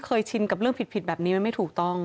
ชินกับเรื่องผิดแบบนี้มันไม่ถูกต้อง